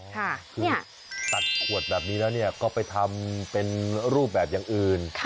คือตัดขวดแบบนี้แล้วก็ไปทำเป็นรูปแบบอย่างอื่น